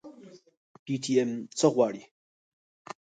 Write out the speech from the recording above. پي ټي ايم څه غواړي؟